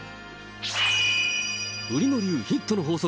売野流ヒットの法則